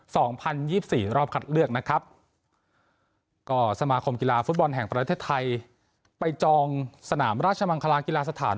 สองพันยี่สิบสี่รอบคัดเลือกนะครับก็สมาคมกีฬาฟุตบอลแห่งประเทศไทยไปจองสนามราชมังคลากีฬาสถาน